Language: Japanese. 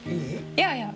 いやいや。